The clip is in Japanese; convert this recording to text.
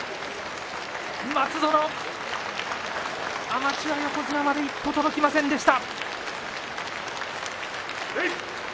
松園、アマチュア横綱まで一歩届きませんでした。